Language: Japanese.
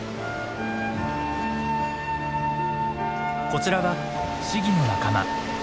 こちらはシギの仲間。